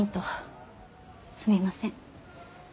すみません。